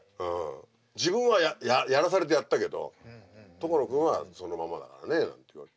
「自分はやらされてやったけど所君はそのままだからね」なんて言われて。